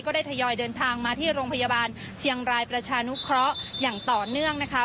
ได้ทยอยเดินทางมาที่โรงพยาบาลเชียงรายประชานุเคราะห์อย่างต่อเนื่องนะคะ